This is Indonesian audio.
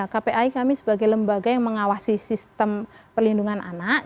kpai kami sebagai lembaga yang mengawasi sistem perlindungan anak